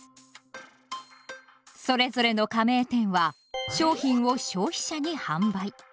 それぞれの加盟店は商品を消費者に販売。